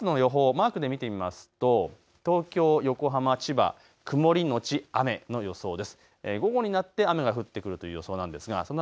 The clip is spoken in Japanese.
あさっての予報、マークで見てみますと東京、横浜、千葉、曇りのち雨の予想です。